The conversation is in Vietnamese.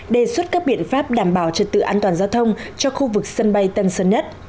đề xuất các biện pháp đảm bảo trật tự an toàn giao thông cho khu vực sân bay tân sơn nhất